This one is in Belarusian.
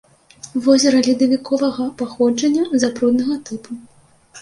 Возера ледавіковага паходжання, запруднага тыпу.